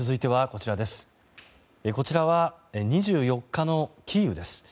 こちらは２４日のキーウです。